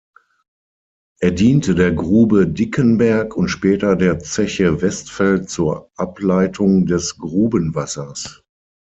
Er diente der Grube Dickenberg und später der Zeche Westfeld zur Ableitung des Grubenwassers.